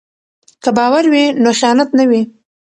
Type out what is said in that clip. که باور وي نو خیانت نه وي.